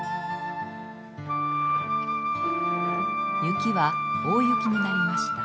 雪は大雪になりました。